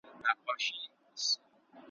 هر سړي ته خپله ورځ او قسمت ګوري `